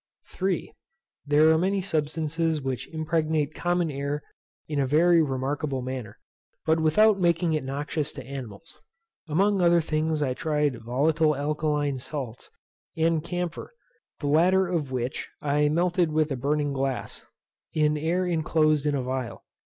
3. There are many substances which impregnate common air in a very remarkable manner, but without making it noxious to animals. Among other things I tried volatile alkaline salts, and camphor; the latter of which I melted with a burning glass, in air inclosed in a phial.